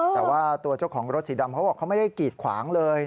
แต่ว่าตัวเจ้าของรถสีดำเขาบอกเขาไม่ได้กีดขวางเลย